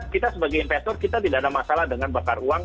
kita sebagai investor kita tidak ada masalah dengan bakar uang